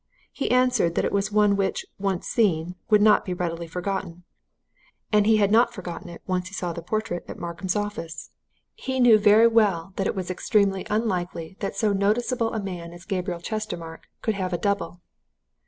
He answered that it was one which, once seen, would not readily be forgotten. And he had not forgotten it once he saw the portrait at Markham's office he knew very well that it was extremely unlikely that so noticeable a man as Gabriel Chestermarke could have a double.